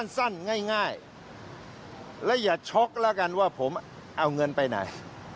สั้นง่ายและอย่าช็อกแล้วกันว่าผมเอาเงินไปไหน